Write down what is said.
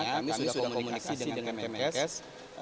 kami melakukan komunikasi dengan kpps